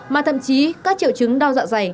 mà thậm chí các triệu chứng đau dạ dày